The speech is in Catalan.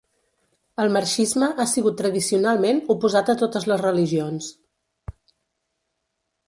El marxisme ha sigut tradicionalment oposat a totes les religions.